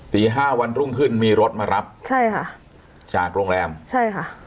ตีห้าวันรุ่งขึ้นมีรถมารับใช่ค่ะจากโรงแรมใช่ค่ะ